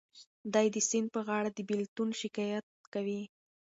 دی د سیند په غاړه د بېلتون شکایت کوي.